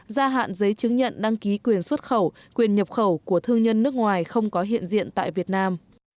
gia hạn giấy chứng nhận đăng ký quyền xuất khẩu quyền nhập khẩu của thương nhân nước ngoài không có hiện diện tại việt nam